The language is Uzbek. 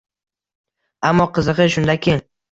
Ammo, qizig‘i shundaki